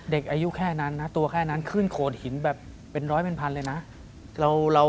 เด็กอายุแค่นั้นนะตัวแค่นั้นขึ้นโขดหินแบบเป็นร้อยเป็นพันเลยนะ